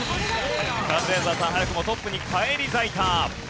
カズレーザーさん早くもトップに返り咲いた。